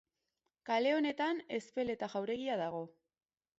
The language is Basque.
Kale honetan Ezpeleta jauregia dago.